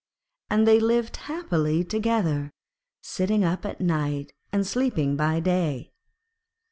And they lived happily together, sitting up at night and sleeping by day.